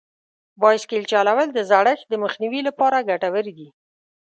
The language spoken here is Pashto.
بایسکل چلول د زړښت د مخنیوي لپاره ګټور دي.